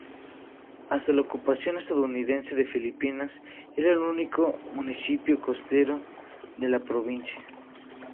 Hasta la ocupación estadounidense de Filipinas era el único municipio costero de la provincia.